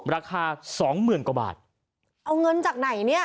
ราคา๒๐๐๐๐กว่าบาทเอาเงินจากไหนเนี่ย